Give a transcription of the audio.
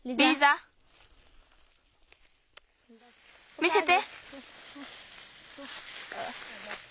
見せて！